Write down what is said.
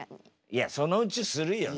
いやそのうちするよ。